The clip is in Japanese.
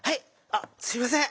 あすいません！